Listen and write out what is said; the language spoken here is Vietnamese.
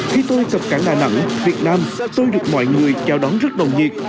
khi tôi cập cảng đà nẵng việt nam tôi được mọi người chào đón rất nồng nhiệt